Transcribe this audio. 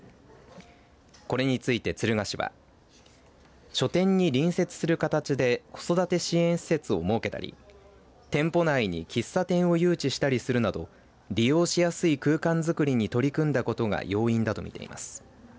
これについて、敦賀市は書店に隣接する形で子育て支援施設を設けたり店舗内に喫茶店を誘致したりするなど利用しやすい空間づくりに取り組んだことが要因だと見ています。